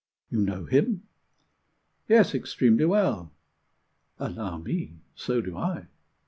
You know him?" "Yes, extremely well." "Allow me, so do I."